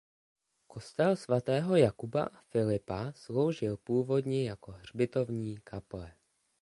Kostel svatého Jakuba a Filipa sloužil původně jako hřbitovní kaple.